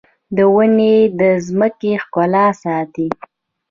ونې د ځمکې ښکلا ساتي